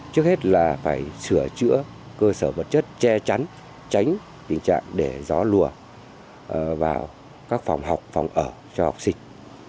trước hết là phải sửa chữa cơ sở vật chất che chắn tránh tình trạng để gió lùa vào các phòng học phòng ở cho học sinh